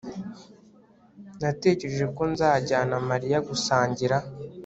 Natekereje ko nzajyana Mariya gusangira